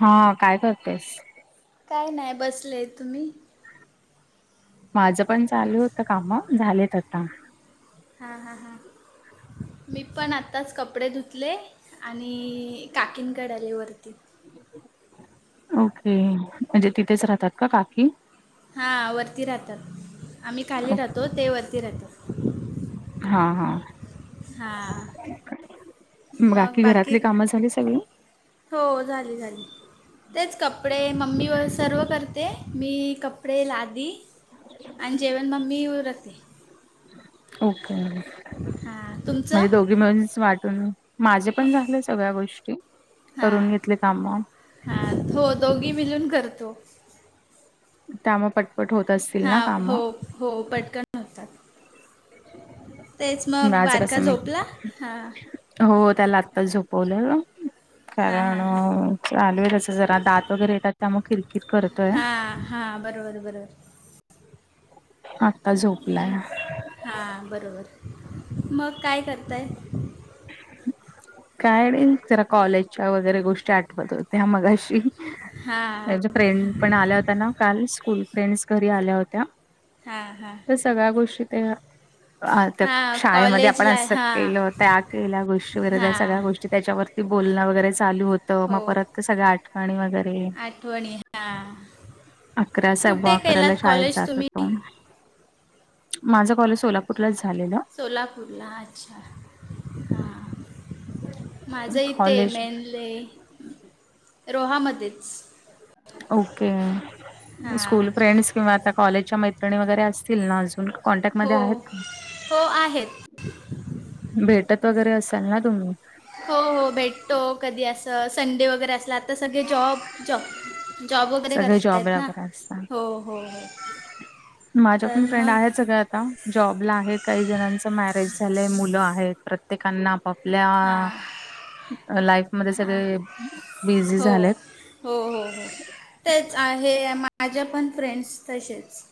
हा काय करतोयस काय नाही बसले तुम्ही माझं पण चालू होत काम झालेत आता हा हा हां मी पण आत्ताच कपडे धुतले आणि काकीन कड आले वरती ओके म्हणजे तिथेच राहतात का काकी हा वरती राहतात आम्ही खाली राहतो ते वरती राहतात हां हां हां म बाकी घरातली कामं झाली सगळी हो झाली झाली तेच कपडे मम्मी वर सर्व करते मी कपडे लादी आणि जेवण मम्मी उरकते ओके हां तुमचं म्हणजे दोघी मिळूनच वाटून माझे पण झाले सगळ्या गोष्टी करून घेतले कामं हा हो दोघी मिलून करतो त्यामुळ पटपट होत असतील ना हां कामं हो हो पटकन होतात तेच मग माझं बारका कसं मी झोपला हा हो त्याला आत्ताच झोपवलं हां हां हां कारणं चालू आहे त्याच जरा दात वगैरे येतात त्यामुळं किरकिर करतोय हां हां बरोबर बरोबर आत्ता झोपलाय हा बरोबर मग काय करताय काय नाही जरा कॉलेजच्या वगैरे गोष्टी आठवत होत्या मगाशी हां माझ्या फ्रेंड पण आल्या होत्या ना काल स्कूल फ्रेंडस घरी आल्या होत्या हा हा तर सगळ्या गोष्टी तेव्हा आ त्या हां शाळेमध्ये आपण कॉलेजला असं हां केलं केल्या होत्या केल्या गोष्टी वगैरे, त्या हां सगळ्या गोष्टी त्याच्यावरती बोलणं वगैरे चालू होतं, हो मग परत त्या सगळ्या आठवणी वगैरे आठवणी हा. अकरा सव्वा अकराला शाळेत जात होतो तुम्ही आम्ही. माझं कॉलेज सोलापूरलाच झालेलं. सोलापूरला हा अच्छा. हां माझं इथे कॉलेज मेनले रोहामध्येच. ओके. हां स्कूल फ्रेंडस किंवा आता कॉलेजच्या मैत्रिणी वगैरे असतील ना अजून? कॉन्टॅक्ट मध्ये हो आहेत का? हो आहेत भेटत वगैरे असाल ना तुम्ही? हो हो भेटतो कधी असं संडे वगैरे असला त र आता सगळे जॉब जॉब जॉब वगैरे सगळे करतेत जॉबला ना. वगैरे असतात हो हो हो. माझ्या तर पण फ्रेंड मग आहेत सगळ्या, आता जॉबला आहे, काही जणांच मॅरेज झालंय, मुलं आहेत प्र त्येकानां. आपल्या हां लाईफमध्ये हां सगळे बिझी हो झालेत. हो हो हो, तेच आहे माझ्या पण फ्रेंड्स तसेच.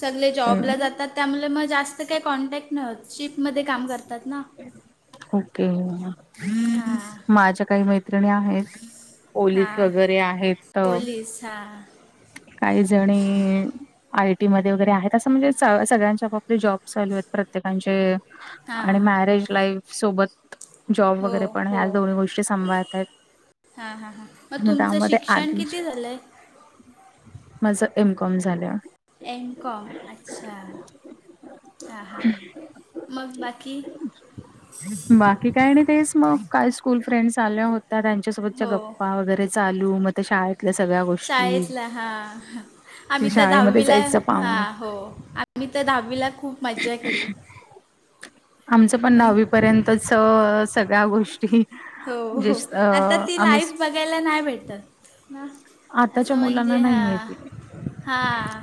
सगले जॉबला जातात त्यामुळे मग जास् त काही कॉन्टॅक्ट न शिपमध्ये काम करतात ना. ओके हां माझ्या काही मैत्रिणी आहेत. पोलीस वगैरे आहेत. हा. काही जणी आयटी मध्ये वगैरे आहेत, असं म्हणजे सगळ्यांचे आपापले जॉब्स चालू आहेत प्रत्येकांचे हां आणि हां मॅरेज लाईफ सोबत जॉब हो वगैरे पण या दोन गोष्टी सांभाळता आहेत. हा हा हा, मग तुमचं त्यामध्ये शिक्षण आधी किती झालंय? माझं एमकॉम झालंय. एमकॉम अच्छा, हा हा, मग बाकी? बाकी काय आणि तेच मग काल स्कूल फ्रेंडस आल्या हो त्या त्यांच्यासोबतच्या हो गप्पा वगैरे चालू, मग त्या शाळेतल्या सगळ्या गो शाळेतल्या हा, हा, कि आम्ही तर शाळेमध्ये दहावीला जायचं हा पाहण हो. मी तर दहावीला खूप मज्जा केली. मण तसं सगळ्या गोष्टी हो म्हणजे हो, स- अ, आता ती आम्ही स- लाईफ बघायला नाही भेटत ना. आताच्या असं म्हणजे मुलांना हा नाहीये ते हा.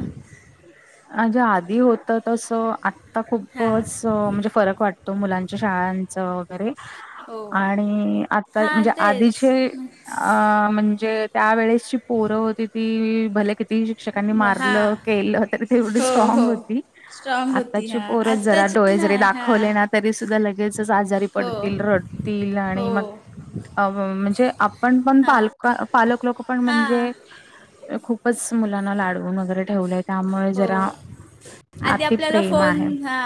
अ जे आधी होत तस आत्ता हां खूपचं म्हणजे फरक वाटतो मुलांच्या शाळांचं वगैरे हो आणि आता हां म्हणजे तेच आधीचे अ म्हणजे त्यावेेळेसची पोरं होती ती भले किती शिक्षकांनी ब- हां मारलं केलं तेवढी हो हो स्ट्रांग होती. स्ट्रॉंग होती आताची हां पोरं जरा आत्ताची डोळे जरी नाही हां दाखवले ना तरी सुद्धा लगेचच आजारी हो पडतील, रडतील आणि हो मग अ म्हणजे आपण पण हां पालक, पालक लोकं पण हां म्हणजे खूपच मुलांना लाडवून वगैरे ठेवलंय. त्यामुळे हो जरा आधी अति आपल्याला प्रेम फोन आहे. हा.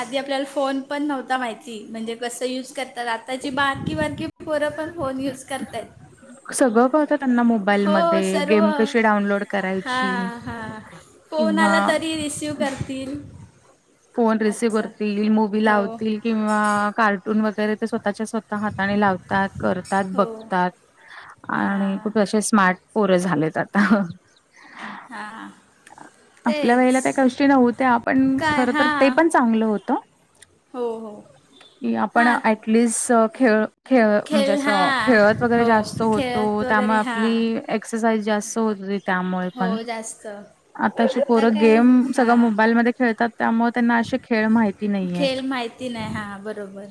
आधी आपल्याला फोन पण नव्हता माहिती म्हणजे कसं यूज करतात, आताची बारकी बारकी पोरं पण फोन युज करतायत. सगळं कळतं त्यांना मोबाईल मध्ये. सर्व गेम कशी डाउनलोड हा करायची? हा फोन किंवा आला तरी रिसीव करतील. फोन रिसिव्ह असं करतील, मूवी हो लावतील किंवा कार्टून वगैरे ते स्वतःच्या स्वतः हाताने लावतात, करतात, हो बघतात. आणि हां खूप असे स्मार्ट पोर झालेत आता. हां आपल्या तेच वळेला त्या गोष्टी नव्हत्या. पण काय खरं तर ते हां पण चांगल होत. हो हो कि आपण हां ऐक ॲटलीस् खेळ खेळ म्हणजे असं हां खेळत वगैरे हो जास्त होतो, खेळत वगैरे त्यामुळे हां आपली एक्सरसाइज जास्त होत होती. त्यामुळे हो पण जास्त आताची आता पोरं काय गेम सगळं हां मोबाईलमध्ये खेळतात. त्यामुळे त्यांना असे खेळ माहित खेळ माहिती नाही. हां, बरोबर!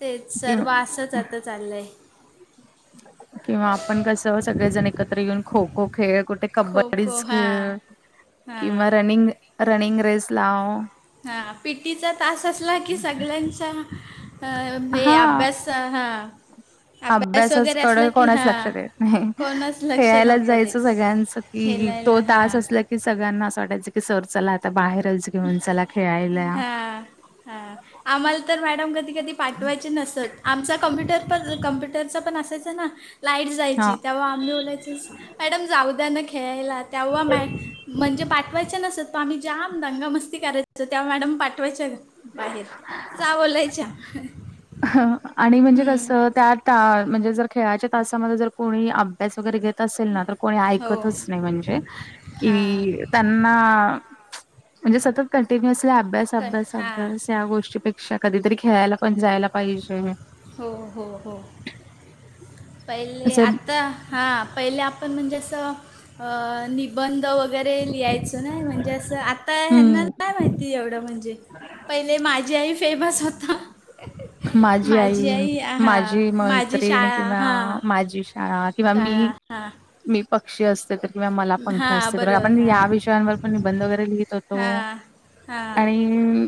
तेच सर्व असंच किंवा आता चाललंय. किंवा आपण कस सगळेजण एकत्र येऊन खो खो खेळ कुठे खो खो कबड्डीच हां खेळ किंवा हां रनिंग रनिंग रेस लाव. हा, पी टी चा तास असला की सगळ्यांचा अ हे अभ्यास त हा. [inaudible] अभ्यासाकड कोणाच लक्ष हां देत नाही. कोणच लक्ष खेळायलाच नव्हतं जायचं देत सगळ्यांचं हं हं. तो खेळायला तास हां असला कि सगळ्यांना असं वाटायचं की सर चला आता बाहेरच घेऊन चला खेळायला. हा, आम्हाला तर मॅडम कधी कधी पाठवायचे नसत. आमचा कम्प्युटर पण कम्प्युटरचा पण असायचं ना. लाईट हा जायची तेव्हा आम्ही बोलायचोच मॅडम जाऊ द्या न खेळायला. तेव्हा मॅ म्हणजे पाठवायचे नसत प आम्ही जाम दंगा मस्ती करायचो. तेव्हा मॅडम पाठवायच्या बाहेर, जा बोलायच्या. ह आणि म्हणजे हं, कसं त्या त म्हणजे जर खेळाच्या तासामध्ये जर कोणी अभ्य भ्यास वगैरे घेत असेल ना, तर कोणी हो ऐकतच नाही. म्हणजे हां कि त्यांना म्हणजे सतत कंटिन्युअसली अभ्यास क अभ्यास हां अभ्यास. त्या गोष्टीपेक्षा कधीतरी खेळायला पण जायला पाहिजे. हो हो हो. पहिले असं आता हा, पहिले आपण म्हणजे असं निबंध वगैरे लिहायचो ना. म्हणजे असं आता ह्यांना हम्म नाही माहित ती एवढं. म्हणजे पहिले 'माझी आई' फेमस होत. माझी आई, हां माझी माझी मैत्रीण शाळा किंवा हां माझी शाळा किंवा मी शाळा हां मी पक्षी असते तर किंवा 'मला पंख हां असते तर' आपण बरोबर या हां विषयांवर पण निबंध वगैरे लिहित होतो. हां हां आणि अं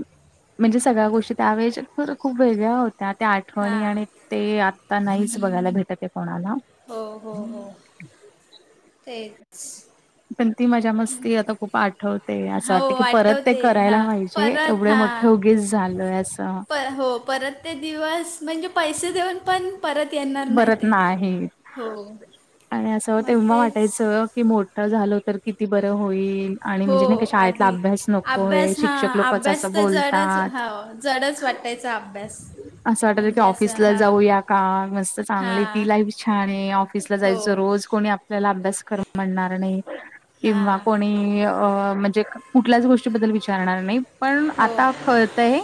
म्हणजे सगळ्या गोष्टी त्यावेळेच्या तर खूप वेगळ्या होत्या. त्या हां आठवणी आणि ते आता नाहीच बघायला भेटत कोणाला. हो हो हो तेच. पण ती मजा-मस्ती आता खूप आठवते. असं वाटत हो की परत ते आठवते करायला हां पाहिजे. परत एवढे मोठ हां ठे उगीच झालोय असं. प हो परत ते दिवस म्हणजे पैसे देऊन पण परत येणार परत ते नाही. हो आणि असं मग तेव्हा तेच वाटायचं कि मोठ झालो तर किती बरं होईल? आणि हो म्हणजे नाही का शाळेतला आधी अभ्यास नकोय, अभ्यास हां शिक्षक लोकचं अभ्यास असं तर जडच बोलतात. हो जडच वाटायचा अभ्यास. असं वाटत होत की म्हणजे असं ऑफिसला हां जाऊया का? मस्त चांगली ती हां लाईफ छान ये, ऑफिसला हो जायचं रोज कोणी आप आपल्याला अभ्यास कर म्हणणार नाही किंवा हां कोणी अणि अं म्हणजे कुठल्याचं गोष्टीबद्दल विचारणार नाही. पण हो आता कळतयं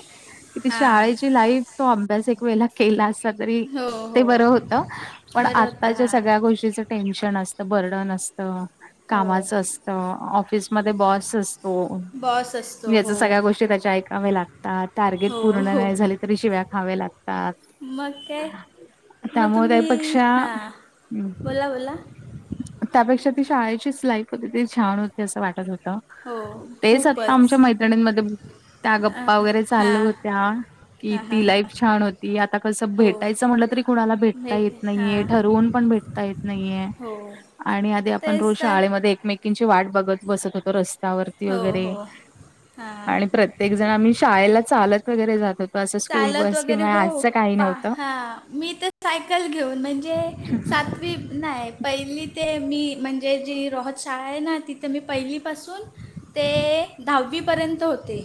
कि ती हां शाळेची लाईफ तो अभ्यास एक वेळेला केला असता तरी हो ते हो बरं होतं, पण बरं होतं आत्ताच्या हां सगळ्या गोष्टीचं टेन्शन असतं, बर्डन असत. हो कामाचं असत, ऑफिसमध्ये बॉस च अस हो बॉस असतो याच्या हो सगळ्या गोष्टी त्याचे ऐकाव्या लागतात टार्गेट हो पूर्ण हो नाही झाले त तरी शिव्या खावे लागतात. मग काय? मग त्यामुळे तुम्ही, त्यापेक्षा हां बोला बोला. त्यापेक्षा ती शाळेचीचं लाईफ होती ती छान होती असं वाटत होतं. हो तेच आत्ता खूपच आमच्या मैत्रिणींमध्ये त्या गप्पा हां वगैरे चालु हां होत्या कि हां ती हां लाईफ छान होती, आता कसं हो भेटायचं म्हटलं तरी कुणाला भेटता भेट येत हां नाहीये, ठरवून पण भेटता येत नाहीये. हो आणि आधी आपण तेच रोज तर शाळेमध्ये एकमेकींची वाट बघत बसत होतो रस्त्यावर ती हो वगैरे. हो हां आणि प्रत्येक जण मी शाळेला चालंत वगैरे जात होतो, असं स्कूल बस किंवा आसं काही नव्हंत. हा मी त सायकल घेऊन म्हणजे सातवी त नाही. पहिली ते मी म्हणजे जी रोहत शाळा आहे ना तिथं मी पहिलीपासून ते दहावीपर्यंत होते,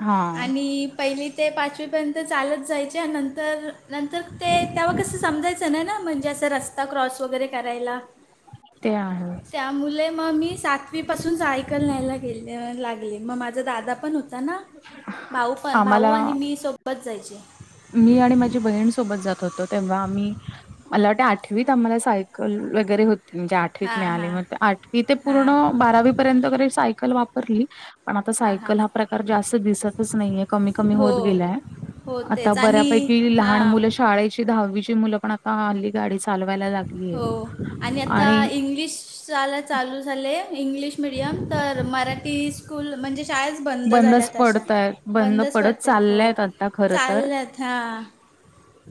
हां आणि पहिली ते पाचवी पर्यंत चालत जायचे अन् नंतर -नंतर ते तेव्हा कसं समजायचं समजायचं नाही ना म्हणजे असं रस्ता क्रॉस वैगरे करायला, ते आहे. त्या मुले म, मी सातवी पासून सायकल न्यायला गेले अं लागले, म माझा दादा पण होता ना भाऊ पण भाऊ आम्हाला आणि मी सोबत जायचे. मी आणि माझी बहीण सोबत जात होतो तेव्हा आम्ही मला वाटे आठवीत आम्हाला सायकल वगैरे होत म्हणजे आठवीत हां मिळाली हां मग आठवी ते पूर्ण हां बारावी पर्यंत तरी सायकल वापरली पण आता हां हां सायकल हा प्रकार जास्त दिसतच नाहीये, कमी- कमी हो होत गेलाय. हो आता तेच आणि बऱ्यापैकी लहान हां मुलं शाळेची दहावीची मुलं पण आता हल्ली गाडी चालवायला लागले. हो आणि आता इंग्लिश शाला चालू झाले, इंग्लिश मिडियम तर मराठी स्कूल म्हणजे शाळा बंद बंदच झाल्यात अशा, पडतायत बंद बंदच पडत पडतायेत हो चालल्यात आता खरं तर चालल्यात हा.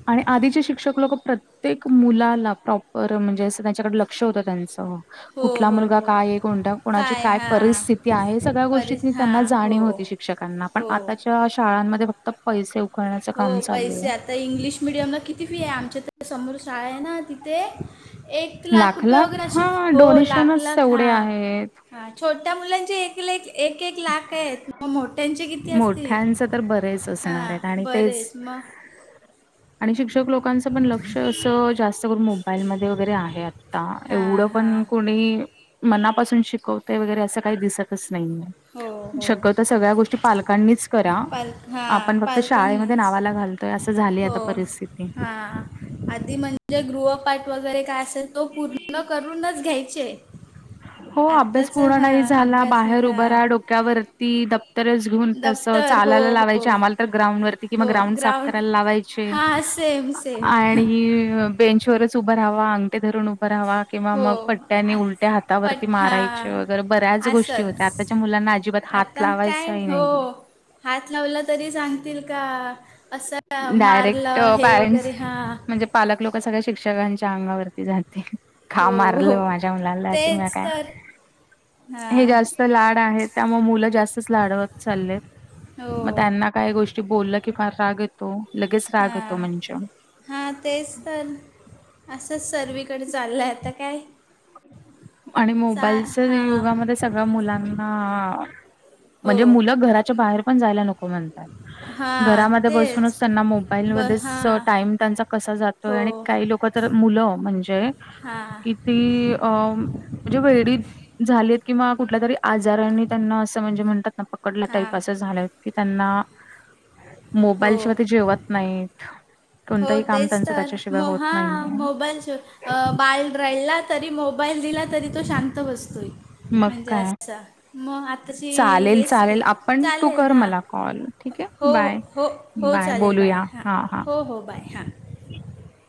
आणि आधीचे शिक्षक लोक प्रत्य प्रत्येक मुलाला प्रॉपर म्हणजे असं त्यांच्याकडे लक्ष होतं त्यांचं. हो कुठला हो मुलगा हो काय आहे, कोण कोणाची काय परिस्थिती आहे, सगळ्या गोष्टी परि हां त्यांना जाणीव होती हो अशी. शिक्षकांना पण हो आताच्या शाळांमध्ये फक्त पैसे उकळण्याचं हो काम पैसे चालूये. आता इंग्लिश मिडियमला किती फी आहे, आमच्या समोर शाळा आहे ना तिथे एक लाख रुपये वगैरे अशे, हा हो लाख- डोनेशनच लाख हा. तेवढे आहेत हा छोट्या मुलांचे एक ले क एक- एक लाख ये, मग मोठ्यांचे किती असतील? मोठ्यांच तर बरेच असणार हां. आहेत आणि तेच, बरेच मग आणि शिक्षक लोकांचं पण लक्ष असं जास्त करून मोबाईलमध्ये वगैरे आहे. आता एवढं हां पण हां कोणी मनापासून शिकवतय वगैरे असं काही दिसतच नाहीये. हो हो शक्यतो सगळ्या गोष्टी पालकांनीच करा, पाल हां आपण फक्त शाळेमध्ये पालकांनीच नावालाच घालतो. तर असं झाली हो आता परिस्थिती. हां आधी म्हणजे गृहपाठ वगैरे काय असेल तो पूर्ण करूनच घ्यायचे. हो अभ्यास आत्ताचा पूर्ण हां नाही झाला, अभ्यास बाहेर उभ हां राहा, डोक्यावरती दप्तरच घेऊन तसं दप्तर हो चालायला हो लावायंच, आम्हाला तर ग्राउंड वर किंवा ग्राउंड साफ करायला लावाय चे हां सेम सेम आणि अ बेंचवरच उभं ऱ्हावा, अंगट धरून उभं राहावा किंवा हो मग पट्ट्यानी आ- उलट त्या हातावरती पट मारायचे हां वगैरे बऱ्याच गोष्टी होत्या, असंच आताच्या मुलांना अजिबात हात आता काय लावायचाही हो नाहीये. हात लावला तरी सांगतील का? आस डायरेक्ट मारलं हे पॅरेंट्स वगैरे हा. म्हणजे पालक लोक सगळ्या शिक्षकांच्या अंगावरती जातील. खा हो हो मारलं माझ्या मुलाला किंवा तेच काय? तर हे हां जास्त लाड आहेत. त्यामुळे मुलं जास्तच लाडवत चाललेत. हो मग त्यांना काही गोष्टी बोललं की, फार राग येतो. लगेच राग येतो हां म्हणजे हां तेच तर, आसंच सर्वीकडे चाललय आता काय? आणि चा मोबाईलच्या हां युगामध्ये सगळ मुलांना हो म्हणजे मुलं घराच्या बाहेर पण जायला नको म्हणतात. हां घरामध्ये तेच बसूनच त्यांना मोबाईल ब हां टाईम त्यांचा कसा हो जातोय आणि काही लोक तर मुलं म्हणजे हां कि ती अ म्हणजे वेडी झालीत किंवा कुठल्या तरी आजारानी त्यांना असं म्हणजे म्हणतात पकडलं हां टाईप असं झालंय की, त्यांना हो मोबाईल शिवाय ते जेवत नाहीत. हो कोणतंही काम तेच त्यांचं तर, त्याच्याशिवाय म होत हा नाहीये. मोबाईल शिवाय अ बाल रडला तरी मोबाईल दिला तरी, तो शांत बसतोय मग म्हणजे काय? असा. म आताशी चालेल हेच ते, चालेल आपण तू चालेल. कर हा मला कॉल ठीक आहे हो बाय हो. हो चालेल बाय, हां. हो हो बाय हां. ह [inaudible]